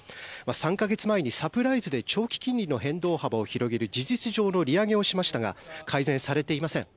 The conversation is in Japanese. ３か月前にサプライズで長期金利の変動幅を広げる事実上の利上げを決めましたが改善されていません。